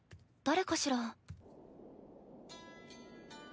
誰かしら？